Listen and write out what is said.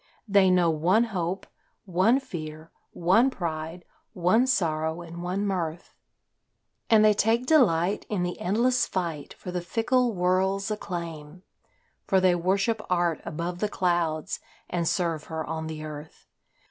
They know one hope, one fear, one pride, one sorrow and one mirth, And they take delight in the endless fight for the fickle world's acclaim; For they worship art above the clouds and serve her on the earth.